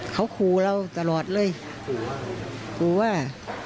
เขาขู่เราตลอดเลยขู่ว่า